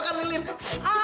kamu siap kan